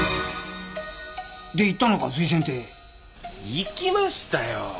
行きましたよ！